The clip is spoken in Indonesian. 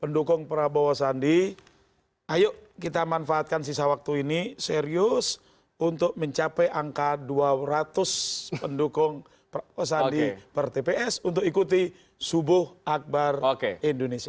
pendukung prabowo sandi ayo kita manfaatkan sisa waktu ini serius untuk mencapai angka dua ratus pendukung sandi per tps untuk ikuti subuh akbar indonesia